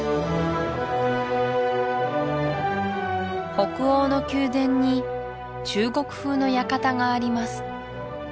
北欧の宮殿に中国風の館があります